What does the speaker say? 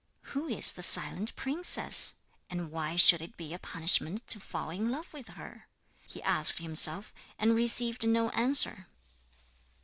'Who is the silent princess? And why should it be a punishment to fall in love with her?' he asked himself, and received no answer.